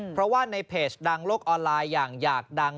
เพราะว่าในเพจดังโลกออนไลน์อย่างอยากดัง